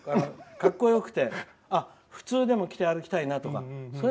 格好よくて普通でも着て歩きたいなとか。